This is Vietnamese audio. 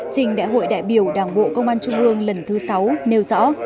trình đại hội đại biểu đảng bộ công an trung ương lần thứ sáu nêu rõ